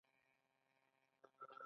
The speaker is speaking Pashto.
د نورستان په دو اب کې د څه شي نښې دي؟